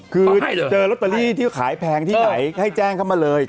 คือเจอลอตเตอรี่ที่ขายแพงที่ไหนให้แจ้งเข้ามาเลย